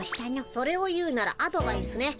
それを言うならアドバイスね。